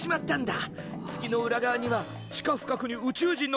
月の裏側には地下深くに宇宙人の基地があることを！